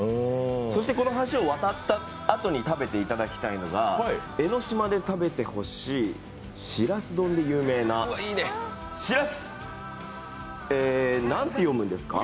この橋を渡ったあとに食べていただきたいのが江の島で食べてほしい、しらす丼で有名な、しらす何て読むんですか？